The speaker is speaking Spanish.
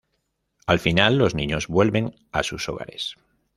Al final los niños vuelven a sus hogares.